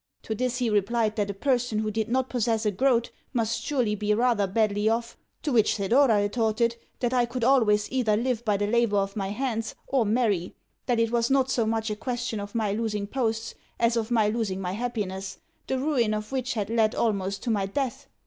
To this he replied that a person who did not possess a groat must surely be rather badly off; to which Thedora retorted that I could always either live by the labour of my hands or marry that it was not so much a question of my losing posts as of my losing my happiness, the ruin of which had led almost to my death.